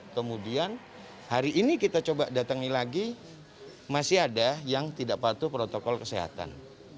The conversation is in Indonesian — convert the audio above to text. kemudian hari ini kita coba datangi lagi masih ada yang tidak patuh protokol kesehatan